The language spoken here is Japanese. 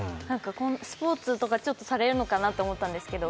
スポーツとかされるのかなと思ったんですけど。